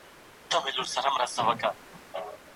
د ارغنداب سیند بهیر ښکلی او طبیعي دی.